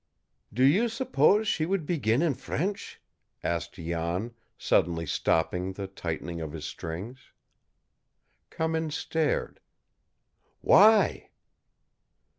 "Do you suppose she would begin in French?" asked Jan, suddenly stopping the tightening of his strings. Cummins stared. "Why?"